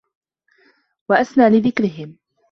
وَأَسْنَى لِذِكْرِهِمْ